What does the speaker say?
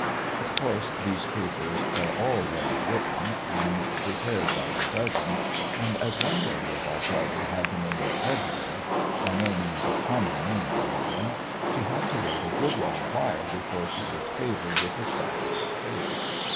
Of course these papers are all ready written and prepared by the dozen, and as one lady of our party had the name of Hedwig by no means a common name in England she had to wait a good long while before she was favoured with a sight of her fate.